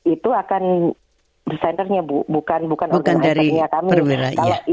itu akan desainernya bukan dari perwira